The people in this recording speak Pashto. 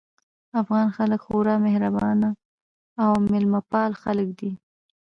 افغان خلک خورا مهربان او مېلمه پال خلک دي